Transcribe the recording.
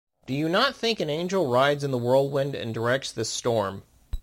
Do you not think an angel rides in the whirlwind and directs this storm.